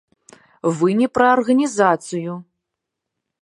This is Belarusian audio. Вы не пра арганізацыю.